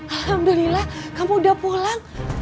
alhamdulillah kamu udah pulang